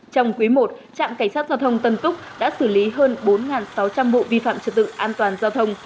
trong quý i trạm cảnh sát giao thông tân túc đã xử lý hơn bốn sáu trăm linh vụ vi phạm trật tự an toàn giao thông